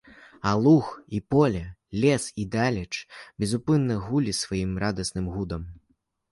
А луг, і поле, лес і далеч безупынна гулі сваім радасным гудам.